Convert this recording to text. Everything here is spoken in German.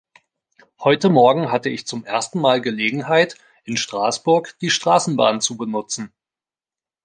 Heute morgen hatte ich zum ersten Mal Gelegenheit, in Straßburg die Straßenbahn zu benutzen.